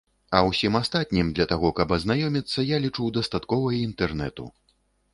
А ўсім астатнім, для таго, каб азнаёміцца, я лічу, дастаткова і інтэрнэту.